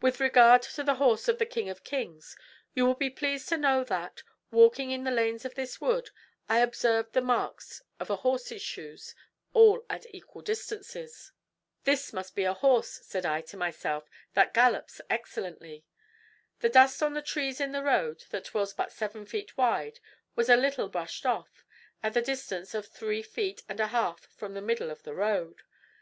"With regard to the horse of the king of kings, you will be pleased to know that, walking in the lanes of this wood, I observed the marks of a horse's shoes, all at equal distances. This must be a horse, said I to myself, that gallops excellently. The dust on the trees in the road that was but seven feet wide was a little brushed off, at the distance of three feet and a half from the middle of the road.